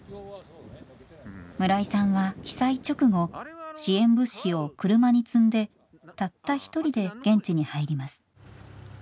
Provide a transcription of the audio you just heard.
村井さんは被災直後支援物資を車に積んでたった一人で現地に入ります。